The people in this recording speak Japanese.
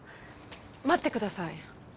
待ってください。